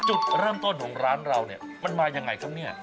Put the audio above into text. จุดเริ่มต้นของร้านเราเนี่ยมันมายังไงครับเนี่ย